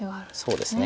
そうですね。